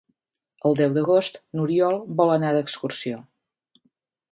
El deu d'agost n'Oriol vol anar d'excursió.